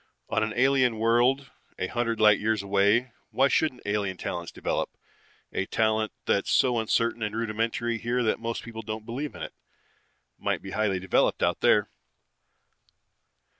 On an alien world a hundred light years away, why shouldn't alien talents develop? A talent that's so uncertain and rudimentary here that most people don't believe it, might be highly developed out there.